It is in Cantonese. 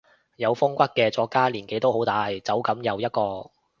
有風骨嘅作家年紀都好大，走噉又一個